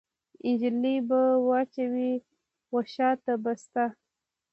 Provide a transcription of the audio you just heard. نجلۍ به واچوي وشا ته بسته